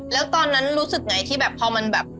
แล้วตอนนั้นรู้สึกไงที่แบบพอมันแบบ